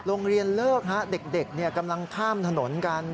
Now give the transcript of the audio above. โรงเรียนเลิกเด็กกำลังข้ามถนนกัน